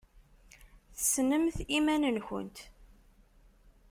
Tessnemt iman-nkent.